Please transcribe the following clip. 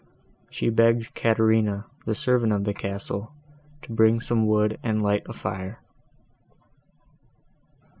She begged Caterina, the servant of the castle, to bring some wood and light a fire.